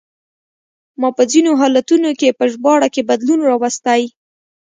ما په ځینو حالتونو کې په ژباړه کې بدلون راوستی.